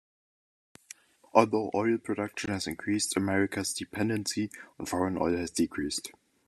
Although oil production has increased, America's dependency on foreign oil has decreased.